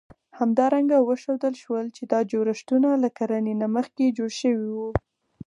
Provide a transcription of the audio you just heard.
همدارنګه وښودل شول، چې دا جوړښتونه له کرنې نه مخکې جوړ شوي وو.